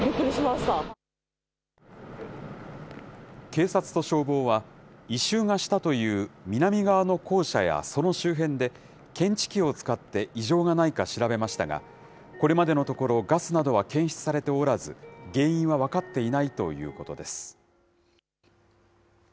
警察と消防は、異臭がしたという南側の校舎やその周辺で、検知器を使って異常がないか調べましたが、これまでのところガスなどは検出されておらず、原因は分かっていないということです。